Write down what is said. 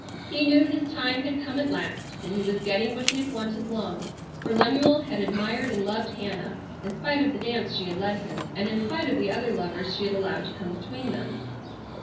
He knew his time had come at last, and he was getting what he had wanted long, for Lemuel had admired and loved Hannah in spite of the dance she had led him, and in spite of the other lovers she had allowed to come between them.